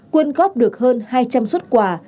quân góp được hơn hai trăm linh suất quà